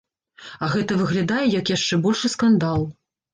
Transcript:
А гэта выглядае, як яшчэ большы скандал.